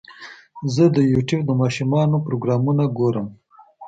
زه د یوټیوب د ماشومانو پروګرامونه ګورم.